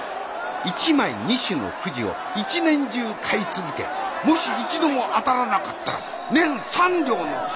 １枚２朱のくじを一年中買い続けもし一度も当たらなかったら年３両の損って事になる。